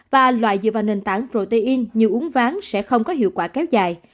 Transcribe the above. và loại dựa vào nền tảng protein như uống ván sẽ không có hiệu quả kéo dài